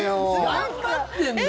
頑張ってんだよ。